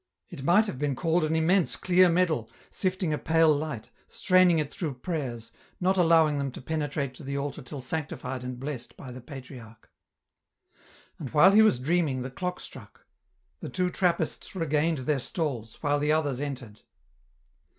It might have been called an immense clear medal, sifting a pale light, straining it through prayers, not allowing them to penetrate to the altar till sanctified and blessed by the Patriarch. And while he was dreaming, the clock struck ; the two Trappists regained their stalls, while the others entered.